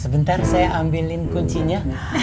sebentar saya ambilin kuncinya